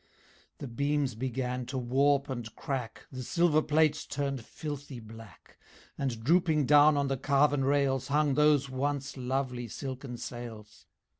The beams began to warp and crack, The silver plates turned filthy black, And drooping down on the carven rails Hung those once lovely silken sails.